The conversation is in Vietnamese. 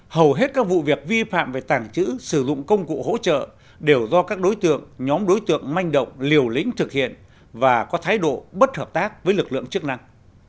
hầu hết các vụ việc vi phạm về tàng trữ sử dụng công cụ hỗ trợ đều do các đối tượng nhóm đối tượng manh động liều lĩnh thực hiện và có thái độ bất hợp tác với lực lượng chức năng